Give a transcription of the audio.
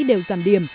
đều giảm điểm